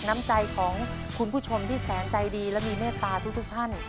น้ำใจของคุณผู้ชมที่แสนใจดีและมีเมตตาทุกท่าน